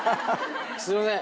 すいません